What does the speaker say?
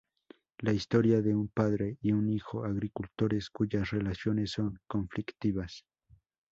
La historia de un padre y un hijo, agricultores, cuyas relaciones son conflictivas.